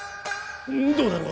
どうだろう？